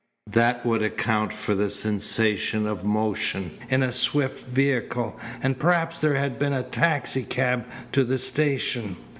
That would account for the sensation of motion in a swift vehicle, and perhaps there had been a taxicab to the station.